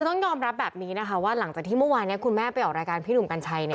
ต้องยอมรับแบบนี้นะคะว่าหลังจากที่เมื่อวานนี้คุณแม่ไปออกรายการพี่หนุ่มกัญชัย